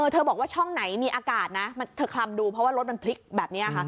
บอกว่าช่องไหนมีอากาศนะเธอคลำดูเพราะว่ารถมันพลิกแบบนี้ค่ะ